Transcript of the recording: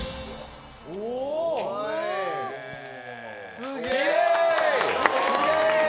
すげえ！